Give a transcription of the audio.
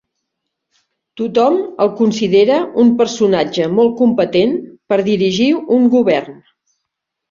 Tothom el considera un personatge molt competent per dirigir un govern.